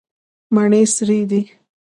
مڼې سرې دي.